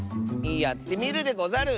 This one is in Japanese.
やってみるでござる！